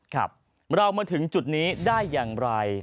ครับเรามาถึงจุดนี้ได้อย่างไร